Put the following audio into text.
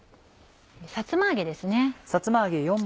さつま揚げですね。